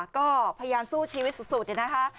ก็พยายามสู้ชีวิตสุดนะคะ